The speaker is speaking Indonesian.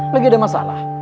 lagi ada masalah